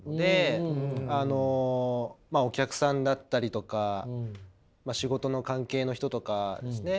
あのお客さんだったりとか仕事の関係の人とかですね。